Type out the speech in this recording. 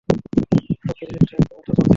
সবকিছু ঠিকঠাক মতো চলছিল!